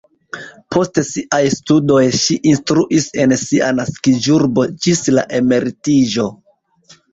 Post siaj studoj ŝi instruis en sia naskiĝurbo ĝis la emeritiĝo.